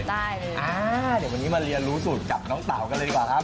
เดี๋ยววันนี้มาเรียนรู้สูตรกับน้องเต๋ากันเลยดีกว่าครับ